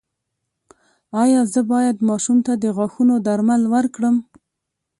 ایا زه باید ماشوم ته د غاښونو درمل ورکړم؟